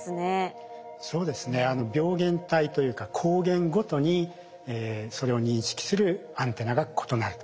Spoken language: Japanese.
病原体というか抗原ごとにそれを認識するアンテナが異なると。